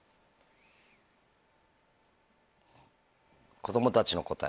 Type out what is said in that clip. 子供たちの答え。